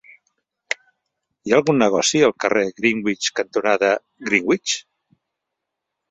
Hi ha algun negoci al carrer Greenwich cantonada Greenwich?